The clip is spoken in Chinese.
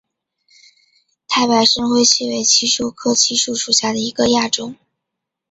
太白深灰槭为槭树科槭属下的一个亚种。